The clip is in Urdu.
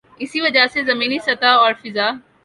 اسی وجہ سے زمینی سطح اور فضا